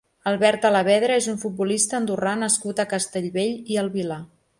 Albert Alavedra és un futbolista andorrà nascut a Castellbell i el Vilar.